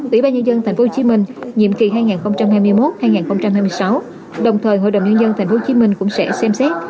ủy ban nhân dân tp hcm nhiệm kỳ hai nghìn hai mươi một hai nghìn hai mươi sáu đồng thời hội đồng nhân dân tp hcm cũng sẽ xem xét